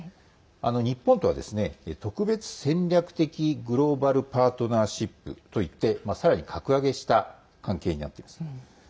日本とは特別戦略的グローバルパートナーシップといってさらに格上げした関係になっています。